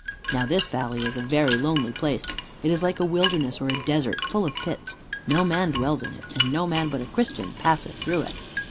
Now this valley is a very lonely place. It is like a wilderness or a desert full of pits. No man dwells in it, and no man but a Christian passeth through it.